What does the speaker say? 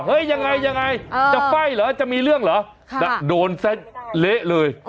เฮ้ยยังไงจะไฟ่หรือจะมีเรื่องหรือโดนแซ่นเละเลย